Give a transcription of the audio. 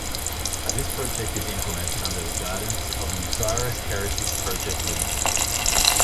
This project is implemented under guidance of Muziris Heritage Project Ltd.